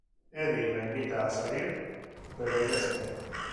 Eddie la invita a salir, pero ella se niega.